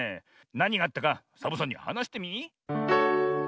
なにがあったかサボさんにはなしてみ。